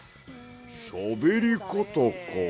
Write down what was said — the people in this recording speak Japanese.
しゃべりかたか。